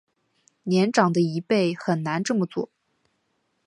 年长的一辈很难这么做